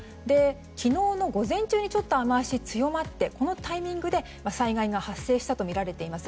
昨日の午前中に雨脚が強まってこのタイミングで災害が発生したとみられています。